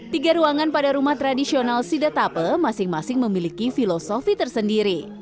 tiga ruangan pada rumah tradisional sidetape masing masing memiliki filosofi tersendiri